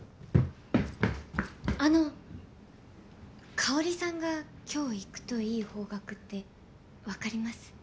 香さんが今日行くといい方角ってわかります？